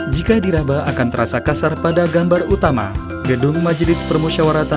jika diraba akan terasa kasar pada gambar utama gedung majelis permusyawaratan